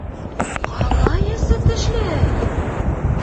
Ҡалай әсе тешләй!